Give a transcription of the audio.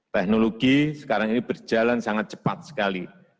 teknologi sekarang ini berjalan sangat cepat sekali